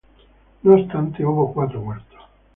No obstante, hubo cuatro muertos.